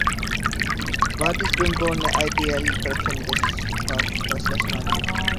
بھارتی supreme court نے I P L corruption کیس کا فیصلہ سنادیا